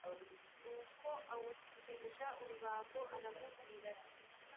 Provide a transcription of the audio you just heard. nuko awutsibisha urubambo aramubwira ati